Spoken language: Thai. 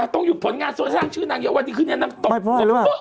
ต้องหยุดผลงานสร้างชื่อนางเยอะวันนี้คืนนางตก